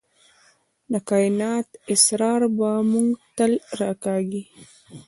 د کائنات اسرار به موږ تل راکاږي.